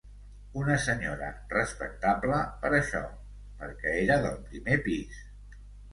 Una senyora respectable per això: perquè era del primer pis